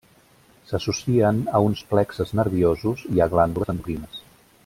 S'associen a uns plexes nerviosos i a glàndules endocrines.